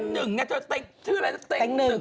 ลุกเศร้าชั้นอย่างตั๊งหนึ่งนะ